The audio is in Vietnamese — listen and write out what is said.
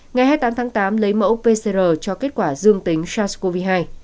ngày hai mươi tám tháng tám lấy mẫu pcr cho kết quả dương tính sars cov hai